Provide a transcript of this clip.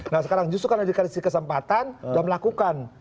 nah sekarang justru karena dikasih kesempatan udah melakukan